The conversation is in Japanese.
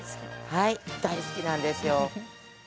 はい、大好きなんですよ。